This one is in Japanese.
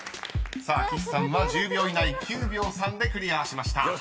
［さあ岸さんは１０秒以内９秒３でクリアしました］